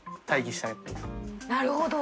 なるほど。